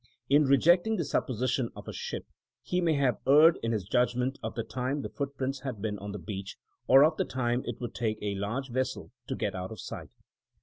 In rejecting the sup position of a ship, he may have erred in his judgment of the time the footprints had been on the beach) or of the time it would take a large vessel to get out of sight.